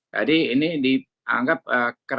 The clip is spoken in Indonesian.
jadi ini dianggap kaya gini